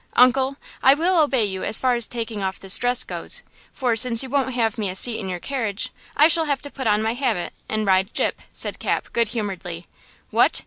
"Uncle, I will obey you as far as taking off this dress goes, for, since you won't have me a seat in your carriage, I shall have to put on my habit and ride Gyp," said Cap, good humoredly. "What!